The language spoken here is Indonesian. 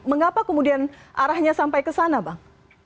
mengapa kemudian arahnya sampai ke sana bang